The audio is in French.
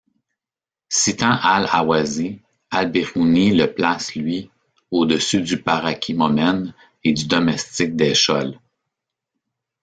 Citant Al-Ahwazi, al-Biruni le place, lui, au-dessus du parakimomène et du domestique des Scholes.